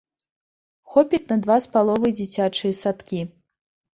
Хопіць на два з паловай дзіцячыя садкі.